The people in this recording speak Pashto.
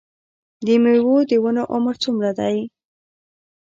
د میوو د ونو عمر څومره دی؟